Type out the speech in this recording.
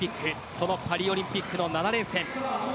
そのパリオリンピックの７連戦。